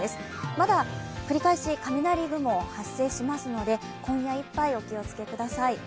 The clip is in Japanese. まだ繰り返し雷雲、発生しますので今夜いっぱい、お気をつけください